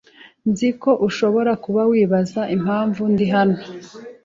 Nzi ko ushobora kuba wibaza impamvu ndi hano